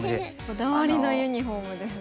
こだわりのユニフォームですね。